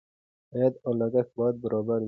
عاید او لګښت باید برابر وي.